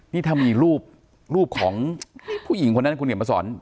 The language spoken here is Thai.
นี่ถ้ามีรูปของผู้หญิงคนนั้นคุณเหนียวมาสอน